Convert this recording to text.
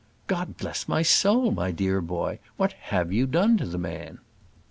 "God bless my soul, my dear boy! what have you done to the man?"